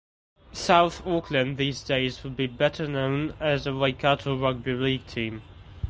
South Auckland these days would be better known as the Waikato rugby league team.